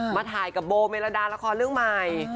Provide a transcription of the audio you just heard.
มาถ่ายกับโบเมรดาละครเรื่องใหม่